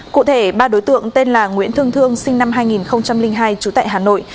cụ thể ba đối tượng tên là nguyễn thương thương sinh năm hai nghìn hai trú tại hà nội